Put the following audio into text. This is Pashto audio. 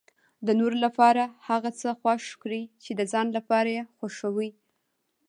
د نورو لپاره هغه څه خوښ کړئ چې د ځان لپاره یې خوښوي.